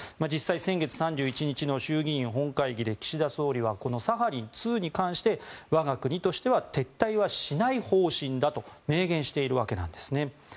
実際、先月３１日の衆議院本会議で岸田総理はこのサハリン２に関して我が国としては撤退はしない方針だと明言しているわけなんです。